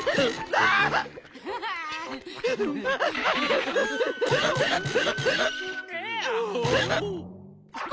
ああ。